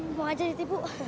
bukan jadi tipu